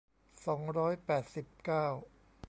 สองร้อยแปดสิบเก้า